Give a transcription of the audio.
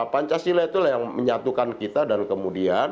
pancasila itulah yang menyatukan kita dan kemudian